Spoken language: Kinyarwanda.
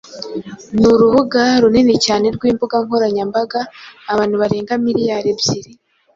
ni urubuga runini cyane rwimbuga nkoranyambaga, abantu barenga miliyari ebyiri